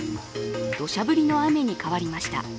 どしゃ降りの雨に変わりました。